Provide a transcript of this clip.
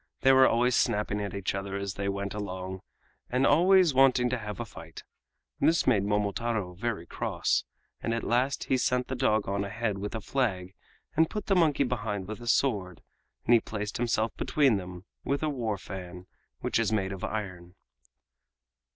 They were always snapping at each other as they went along, and always wanting to have a fight. This made Momotaro very cross, and at last he sent the dog on ahead with a flag and put the monkey behind with a sword, and he placed himself between them with a war fan, which is made of iron.